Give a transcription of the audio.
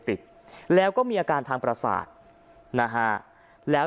พระเจ้าอาวาสกันหน่อยนะครับ